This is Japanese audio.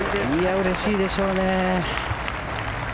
うれしいでしょうね。